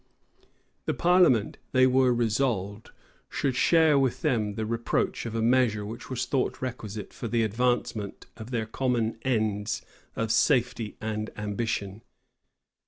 The parliament, they were resolved, should share with them the reproach of a measure which was thought requisite for the advancement of their common ends of safety and ambition.